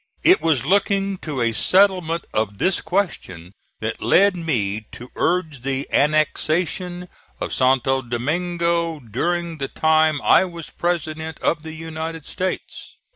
It was looking to a settlement of this question that led me to urge the annexation of Santo Domingo during the time I was President of the United States.